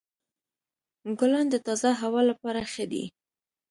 ګلان د تازه هوا لپاره ښه دي.